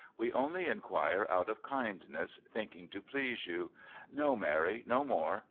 "We only inquire out of kindness, thinking to please you. No, Mary, no more.